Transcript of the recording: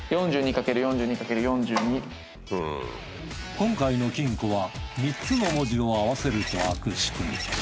今回の金庫は３つの文字を合わせると開く仕組み。